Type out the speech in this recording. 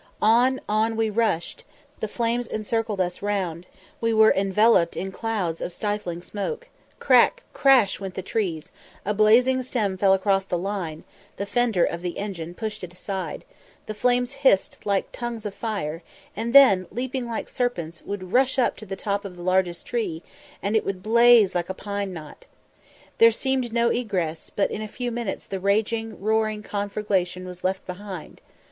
On, on we rushed the flames encircled us round we were enveloped in clouds of stifling smoke crack, crash went the trees a blazing stem fell across the line the fender of the engine pushed it aside the flames hissed like tongues of fire, and then, leaping like serpents, would rush up to the top of the largest tree, and it would blaze like a pine knot, There seemed no egress; but in a few minutes the raging, roaring conflagration was left behind.